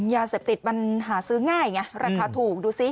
ยาเสพติดมันหาซื้อง่ายไงราคาถูกดูซิ